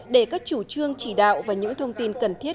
để các chủ trương chỉ đạo và những thông tin cần thiết